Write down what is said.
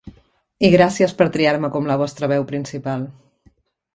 I gràcies per triar-me com la vostra veu principal.